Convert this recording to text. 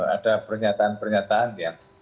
ada pernyataan pernyataan yang